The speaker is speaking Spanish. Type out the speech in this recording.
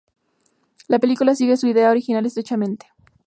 La película sigue su idea original estrechamente.